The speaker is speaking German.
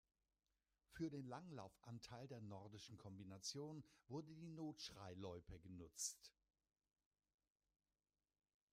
Für den Langlauf-Anteil der Nordischen Kombination wurde die Notschrei-Loipe genutzt.